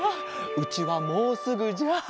うちはもうすぐじゃ。